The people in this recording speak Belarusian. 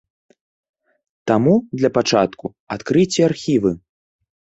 Таму, для пачатку, адкрыйце архівы!